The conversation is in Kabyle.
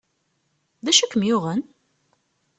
D acu i kem-yuɣen?